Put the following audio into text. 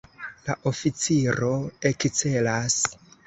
La oficiro ekcelas.